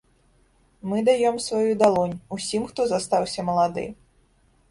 Мы даём сваю далонь, усім хто застаўся малады!